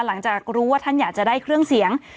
หลังจากรู้ว่าท่านอยากจะได้เครื่องเสียง